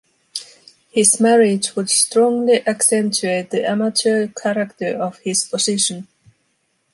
His marriage would strongly accentuate the amateur character of his position.